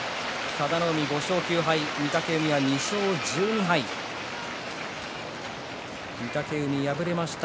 佐田の海、５勝９敗御嶽海、２勝１２敗御嶽海、敗れました。